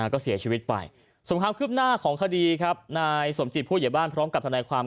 ก็เสียชีวิตไปส่วนความคืบหน้าของคดีครับนายสมจิตผู้เหยียบบ้านพร้อมกับทนายความ